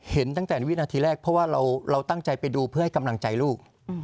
เห็นตั้งแต่วินาทีแรกเพราะว่าเราตั้งใจไปดูเพื่อให้กำลังใจลูก